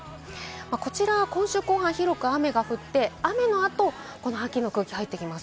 今週後半、広く雨が降って雨の後、秋の空気が入ってきます。